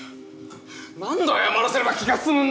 何度謝らせれば気が済むんだよ！